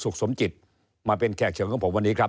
สมจิตมาเป็นแขกเชิญของผมวันนี้ครับ